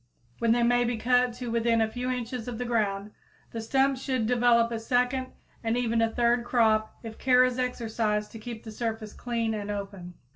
Then they may be cut to within a few inches of the ground. The stumps should develop a second and even a third crop if care is exercised to keep the surface clean and open.